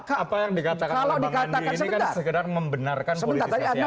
apa yang dikatakan oleh bang andi ini kan sekedar membenarkan politisasi agama